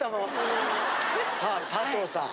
さあ佐藤さん。